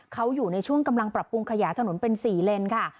เขาอยู่ในช่วงกำลังปรับปรุงขยายถนนเป็น๔เลนค่ะ